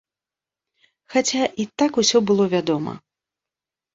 Хаця і так усё было вядома.